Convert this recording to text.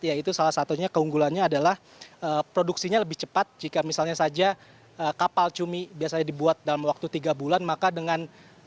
yaitu salah satunya keunggulannya adalah produksinya lebih cepat jika misalnya saja kapal cumi biasanya dibuat dalam waktu tiga bulan maka dengan